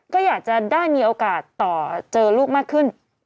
ก็อยากจะได้มีโอกาสต่อเจอลูกมากขึ้น